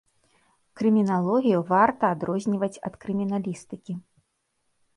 Крыміналогію варта адрозніваць ад крыміналістыкі.